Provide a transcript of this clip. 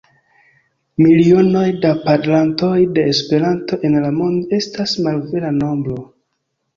Milionoj da parolantoj de Esperanto en la mondo estas malvera nombro.